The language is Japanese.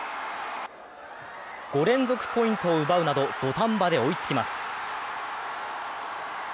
５連続ポイントを奪うなど土壇場で追いつきます。